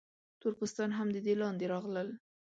تور پوستان هم د دې لاندې راغلل.